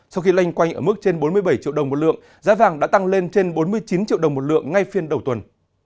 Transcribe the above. sau khi lanh quanh ở mức trên bốn mươi bảy triệu đồng một lượng giá vàng đã tăng lên trên bốn mươi chín triệu đồng một lượng ngay phiên đầu tuần